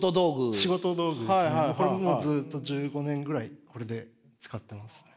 これももうずっと１５年ぐらいこれで使ってますね。